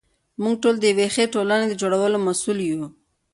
موږ ټول د یوې ښې ټولنې د جوړولو مسوول یو.